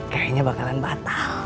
kayaknya bakalan batal